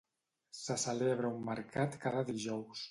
Se celebra un mercat cada dijous.